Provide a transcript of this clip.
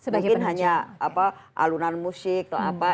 mungkin hanya alunan musik atau apa